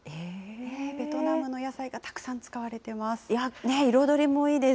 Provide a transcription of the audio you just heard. ベトナムの野菜がたくさん使われています。